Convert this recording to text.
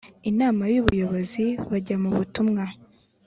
Inama y Ubuyobozi bajya mu butumwa